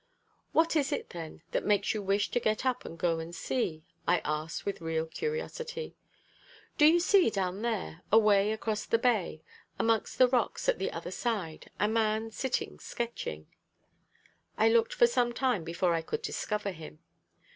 "What is it then that makes you wish to get up and go and see?" I asked with real curiosity. "Do you see down there away across the bay amongst the rocks at the other side, a man sitting sketching?" I looked for some time before I could discover him.